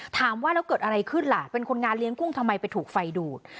ถามว่าแล้วเกิดอะไรขึ้นล่ะเป็นคนงานเลี้ยงกุ้งทำไมไปถูกไฟดูด